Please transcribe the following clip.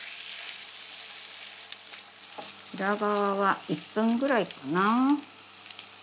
裏側は１分ぐらいかな。